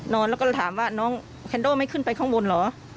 นอนแล้วก็ถามว่าน้องแคนโดไม่ขึ้นไปข้างบนเหรอ